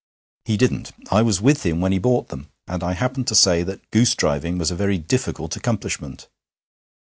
He didn't. I was with him when he bought them, and I happened to say that goosedriving was a very difficult accomplishment.'